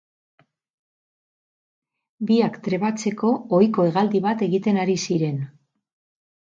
Biak trebatzeko ohiko hegaldi bat egiten ari ziren.